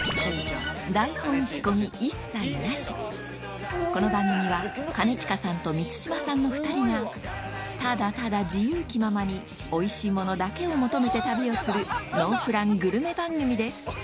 台本仕込み一切なしこの番組は兼近さんと満島さんの２人がただただ自由気ままにおいしいものだけを求めて旅をするノープラングルメ番組です